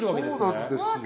そうなんですよ。